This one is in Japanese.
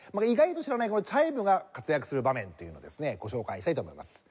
意外と知らないこのチャイムが活躍する場面というのをですねご紹介したいと思います。